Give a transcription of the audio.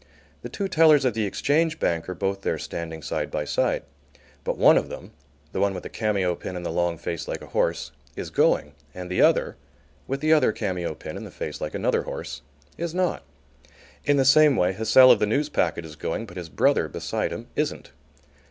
The two tellers of the Exchange Bank are both there standing side by side. But one of them, the one with the cameo pin and the long face like a horse, is going, and the other, with the other cameo pin and the face like another horse, is not. In the same way, Hussell of the Newspacket is going, but his brother, beside him, isn't.